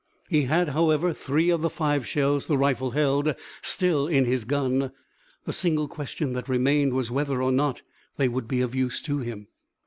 He had, however, three of the five shells the rifle held still in his gun. The single question that remained was whether or not they would be of use to him.